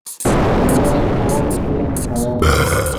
دیہے ام خوو خݰئے ام خوو